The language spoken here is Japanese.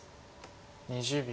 ２０秒。